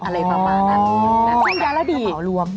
อะไรประมาณนั้นสัญญาณระดีนะครับคือเปล่ารวม